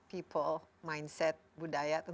people mindset budaya